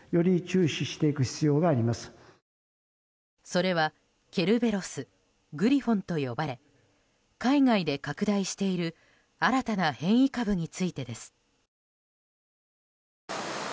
それは、ケルベロスグリフォンと呼ばれ海外で拡大している新たな変異株についてです。